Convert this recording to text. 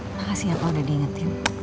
makasih ya pa udah diingetin